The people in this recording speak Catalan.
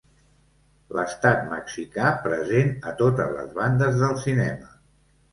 L'estat mexicà present a totes les bandes del cinema.